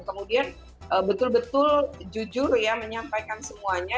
kemudian betul betul jujur ya menyampaikan semuanya